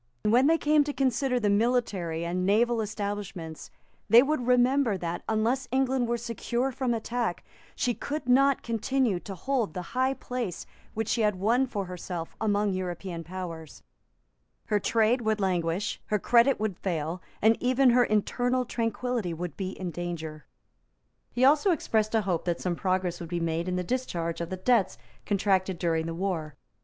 When they came to consider the military and naval establishments, they would remember that, unless England were secure from attack, she could not continue to hold the high place which she had won for herself among European powers; her trade would languish; her credit would fail; and even her internal tranquillity would be in danger. He also expressed a hope that some progress would be made in the discharge of the debts contracted during the War.